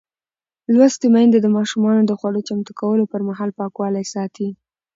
لوستې میندې د ماشومانو د خوړو چمتو کولو پر مهال پاکوالی ساتي.